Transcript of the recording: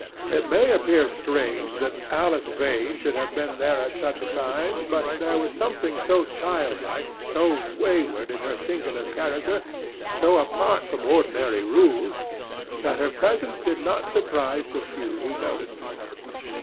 It may appear strange that Alice Vane should have been there at such a time, but there was something so childlike, so wayward, in her singular character, so apart from ordinary rules, that her presence did not surprise the few who noticed it.